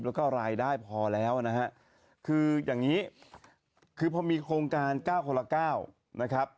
แล้วก็รายได้พอแล้วนะฮะคืออย่างนี้คือพอมีโครงการ๙คนละ๙นะครับ